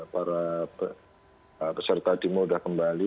para peserta demo sudah kembali